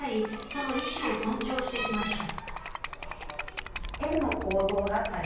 その意思を尊重してきました。